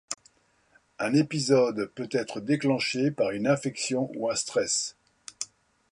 Un épisode peut être déclenché par une infection ou un stress.